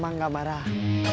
maaf ya nggak sampe rumah